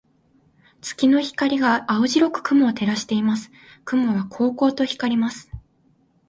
月の光が青白く雲を照らしています。雲はこうこうと光ります。